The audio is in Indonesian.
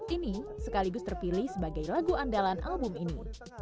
ini sekaligus terpilih sebagai lagu andalan album ini